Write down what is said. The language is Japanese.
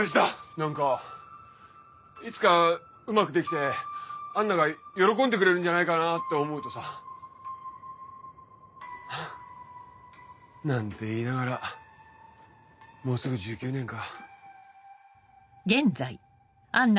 何かいつかうまく出来てアンナが喜んでくれるんじゃないかなって思うとさ。なんて言いながらもうすぐ１９年か。